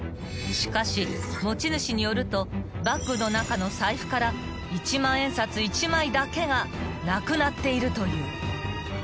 ［しかし持ち主によるとバッグの中の財布から１万円札１枚だけがなくなっているという］